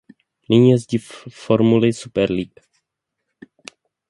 Nyní jezdí v formuli Super League.